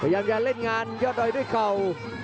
ปล่อยาร้านเล่นงานยอดดอยดูเข่า